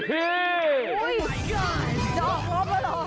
โอ้ยจะออกรอบมาหรอ